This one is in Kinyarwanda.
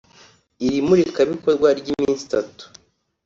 Iri murikabikorwa ry’iminsi itatu